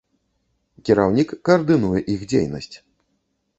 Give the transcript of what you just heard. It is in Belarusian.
Кіраўнік каардынуе іх дзейнасць.